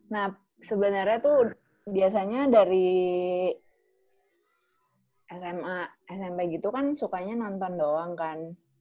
nah sebenernya tuh biasanya dari sma smp gitu kan sukanya nonton doang kan